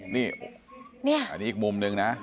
นี่อันนี้อีกมุมหนึ่งนะ